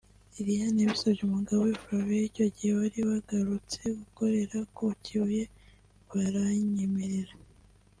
Liliane yabisabye umugabo we Fravien icyo gihe wari waragarutse gukorera ku Kibuye baranyemerera